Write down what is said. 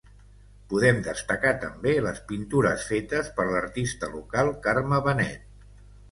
Podem destacar també les pintures fetes per l'artista local, Carme Benet.